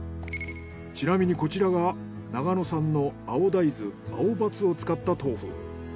ちなみにこちらが長野産の青大豆アオバツを使った豆腐。